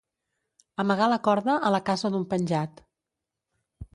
Amagar la corda a la casa d'un penjat.